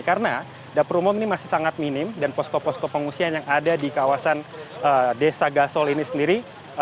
karena dapur umum ini masih sangat minim dan posko posko pengungsian yang ada di kawasan desa gasol ini sendiri